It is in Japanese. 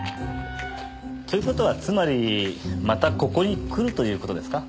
という事はつまりまたここに来るという事ですか？